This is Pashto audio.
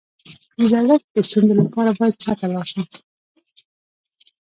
د زړښت د ستونزو لپاره باید چا ته لاړ شم؟